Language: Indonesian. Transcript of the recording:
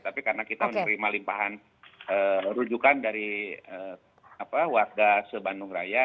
tapi karena kita menerima limpahan rujukan dari warga se bandung raya